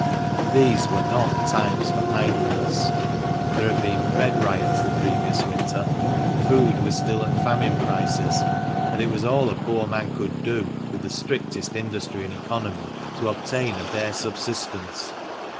These were not times for idleness. There had been bread riots the previous winter ; food still was at famine prices ; and it was all a poor man could do, with the strictest industry and economy, to obtain a bare subsistence.